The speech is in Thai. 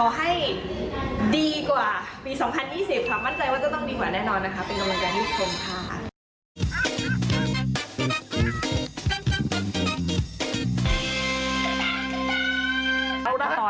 มั่นใจว่าจะต้องดีกว่าแน่นอนนะคะเป็นกำลังกายที่คงค่ะ